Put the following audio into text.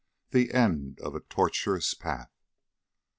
XV. THE END OF A TORTUOUS PATH.